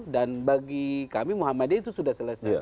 dan bagi kami muhammadiyah itu sudah selesai